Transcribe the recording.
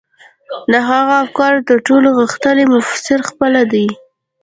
د هغه د افکارو تر ټولو غښتلی مفسر خپله دی و.